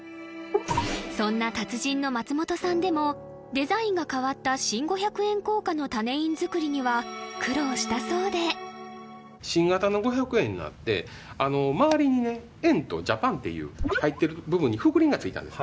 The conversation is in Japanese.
そんな達人の松本さんでもデザインが変わった新５００円硬貨の種印づくりには苦労したそうで新型の５００円になってまわりにねＹＥＮとＪＡＰＡＮっていう入ってる部分に覆輪がついたんです